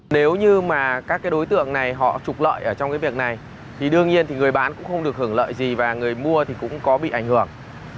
nếu như các đối tượng này họ trục lợi trong việc này thì đương nhiên người bán cũng không được hưởng lợi gì và người mua cũng có bị ảnh hưởng